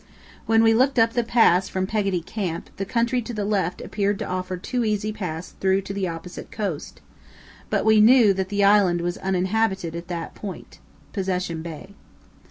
When we looked up the pass from Peggotty Camp the country to the left appeared to offer two easy paths through to the opposite coast, but we knew that the island was uninhabited at that point (Possession Bay).